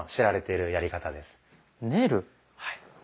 はい。